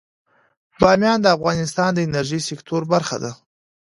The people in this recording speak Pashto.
بامیان د افغانستان د انرژۍ سکتور برخه ده.